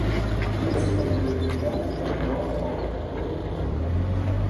Jinsi alivyopingana na utawala wa waakoloni kutoka Ulaya